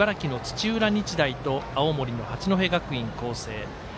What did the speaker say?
第２試合は茨城の土浦日大と青森の八戸学院光星。